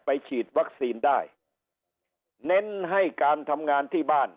ฉีดวัคซีนได้เน้นให้การทำงานที่บ้าน